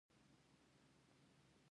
په کلیو کې لږ شمیر شتمن بزګران پیدا شول.